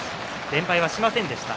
連敗はしませんでした。